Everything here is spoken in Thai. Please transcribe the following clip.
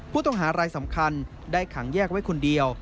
ผู้ต้องหารายสำคัญได้ขังแยกไว้คนเดียว